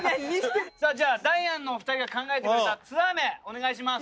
さあじゃあダイアンのお２人が考えてくれたツアー名お願いします。